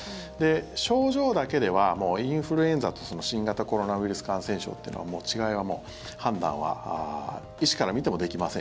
症状だけではもうインフルエンザと新型コロナウイルス感染症というのはもう違いは、判断は医師から見てもできません。